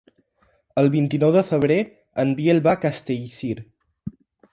El vint-i-nou de febrer en Biel va a Castellcir.